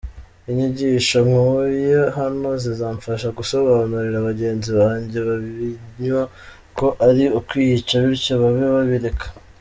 Inyigisho nkuye hano zizamfasha gusobanurira bagenzi banjye babinywa ko ari ukwiyica bityo babe babireka”.